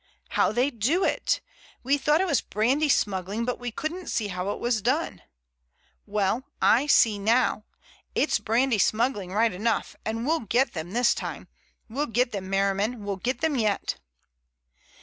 "How they do it. We thought it was brandy smuggling but we couldn't see how it was done. Well, I see now. It's brandy smuggling right enough, and we'll get them this time. We'll get them, Merriman, we'll get them yet."